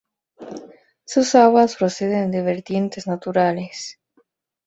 Sus aguas proceden de vertientes naturales.